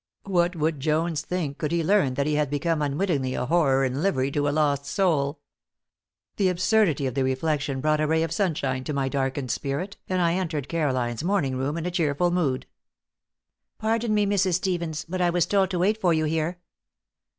What would Jones think could he learn that he had become unwittingly a horror in livery to a lost soul? The absurdity of the reflection brought a ray of sunshine to my darkened spirit, and I entered Caroline's morning room in a cheerful mood. "Pardon me, Mrs. Stevens, but I was told to wait for you here."